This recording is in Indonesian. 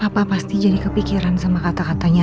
papa pasti jadi kepikiran sama kata katanya al